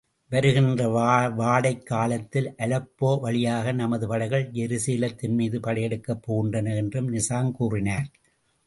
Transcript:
வருகின்ற வாடைக் காலத்தில் அலெப்போ வழியாக நமது படைகள் ஜெருசலத்தின் மீது படையெடுக்கப் போகின்றன. என்று நிசாம் கூறினார்.